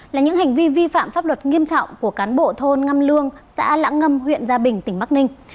là những hành vi vi phạm pháp luật nghiêm trọng của cán bộ thôn ngâm lương xã lãng ngâm huyện gia bình tỉnh bắc ninh